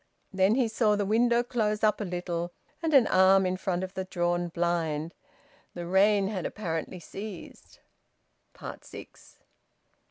Then he saw the window close up a little, and an arm in front of the drawn blind. The rain had apparently ceased. SIX.